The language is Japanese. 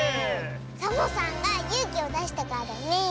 サボさんがゆうきをだしたからだねえ。